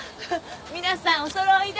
皆さんお揃いで。